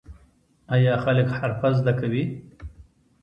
آیا خلک حرفه زده کوي؟